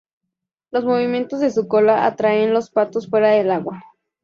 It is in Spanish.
Los movimientos de su cola atraen los patos fuera del agua.